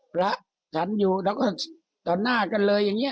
พระฉันอยู่แล้วก็ต่อหน้ากันเลยอย่างนี้